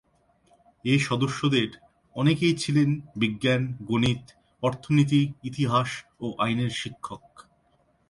এ-সদস্যেদের অনেকেই ছিলেন বিজ্ঞান, গণিত, অর্থনীতি, ইতিহাস ও আইনের শিক্ষক।